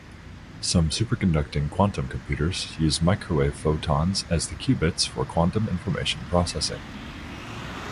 Some superconducting quantum computers use microwave photons as the qubits for quantum information processing.